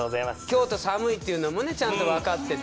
京都寒いっていうのもねちゃんとわかってて。